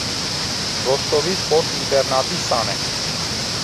Ռոստովի սպորտինտերնատի սան է։